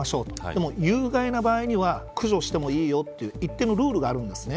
でも、有害な場合には駆除してもいいという一定のルールがあるんです。